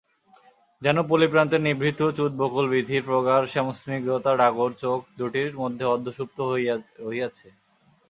যেন পল্লীপ্রান্তের নিভৃত চুত-বকুল-বীথির প্রগাঢ় শ্যামস্নিগ্ধতা ডাগর চোখ দুটির মধ্যে অর্ধসুপ্ত রহিয়াছে।